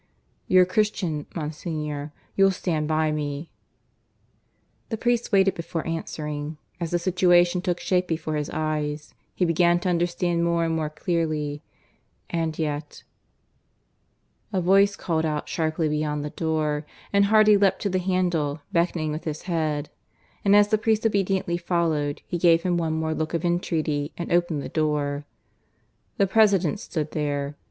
You're a Christian, Monsignor. .. You'll stand by me." The priest waited before answering; as the situation took shape before his eyes, he began to understand more and more clearly; and yet A voice called out sharply beyond the door, and Hardy leapt to the handle, beckoning with his head; and as the priest obediently followed, he gave him one more look of entreaty and opened the door. The President stood there.